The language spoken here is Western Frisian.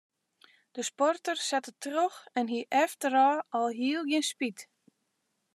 De sporter sette troch en hie efterôf alhiel gjin spyt.